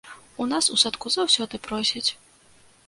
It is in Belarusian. У нас у садку заўсёды просяць.